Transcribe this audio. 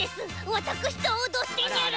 わたくしとおどってニュル。